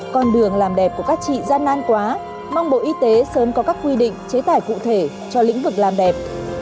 con đường làm đẹp của các chị gian nan quá mong bộ y tế sớm có các quy định chế tải cụ thể cho lĩnh vực làm đẹp